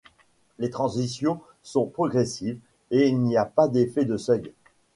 Les transitions sont progressives, et il n'y a pas d'effet de seuil.